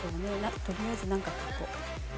とりあえずなんか書こう。